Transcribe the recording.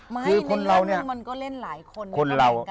ไม่นึงละครมึงก็เล่นหลายคน